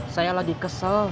saya lagi kesel